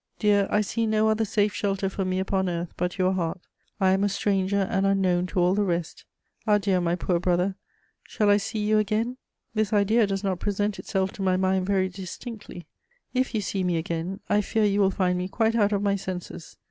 Dear, I see no other safe shelter for me upon earth but your heart; I am a stranger and unknown to all the rest. Adieu, my poor brother. Shall I see you again? This idea does not present itself to my mind very distinctly. If you see me again, I fear you will find me quite out of my senses.